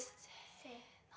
せの。